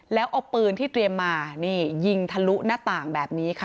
แล้วเอาปืนที่เตรียมมานี่ยิงทะลุหน้าต่างแบบนี้ค่ะ